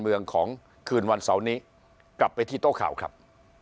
เมืองของคืนวันเสาร์นี้กลับไปที่โต๊ะข่าวครับ